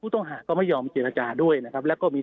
ต้องหาก็ไม่ยอมเจรจาด้วยนะครับแล้วก็มี